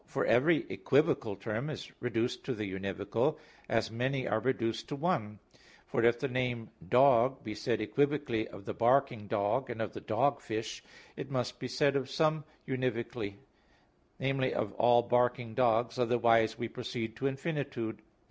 For every equivocal term is reduced to the univocal, as many are reduced to one; for if the name "dog" be said equivocally of the barking dog, and of the dogfish, it must be said of some univocally viz. of all barking dogs; otherwise we proceed to infinitude.